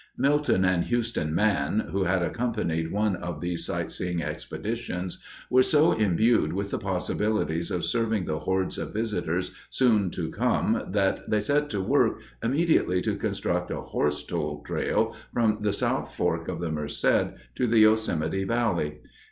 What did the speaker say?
Milton and Houston Mann, who had accompanied one of these sight seeing expeditions, were so imbued with the possibilities of serving the hordes of visitors soon to come that they set to work immediately to construct a horse toll trail from the South Fork of the Merced to the Yosemite Valley.